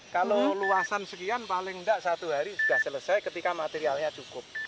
kalau luasan sekian paling tidak satu hari sudah selesai ketika materialnya cukup